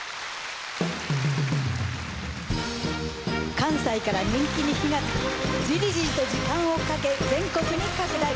関西から人気に火がつきじりじりと時間をかけ全国に拡大。